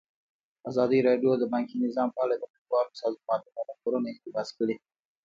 ازادي راډیو د بانکي نظام په اړه د نړیوالو سازمانونو راپورونه اقتباس کړي.